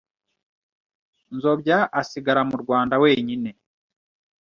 Nzobya asigara mu Rwanda wenyine